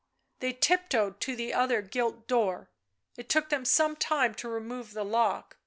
They tiptoed to the other gilt door ; it took them some time to remove the lock.